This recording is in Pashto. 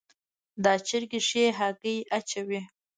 دا چرګي ښي هګۍ اچوي